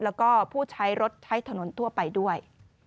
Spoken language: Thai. แล้วก็ผู้ใช้รถใช้ถนนทั่วไปด้วย